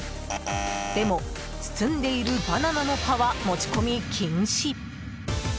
でも、包んでいるバナナの葉は持ち込み禁止。